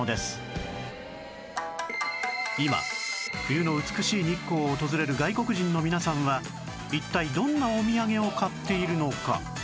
今冬の美しい日光を訪れる外国人の皆さんは一体どんなおみやげを買っているのか？